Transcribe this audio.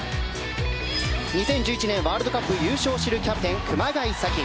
２０１１年ワールドカップ優勝を知るキャプテン、熊谷紗希。